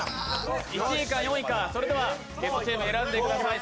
１位か４位か、それではゲストチーム選んでください。